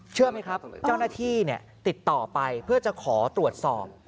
เชื่อไหมครับเจ้าหน้าที่ติดต่อไปเพื่อจะขอตรวจสอบ